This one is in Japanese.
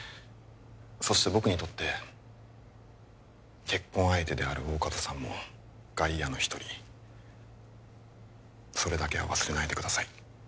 そして僕にとって結婚相手である大加戸さんも外野の一人それだけは忘れないでください